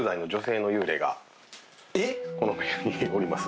このお部屋におります。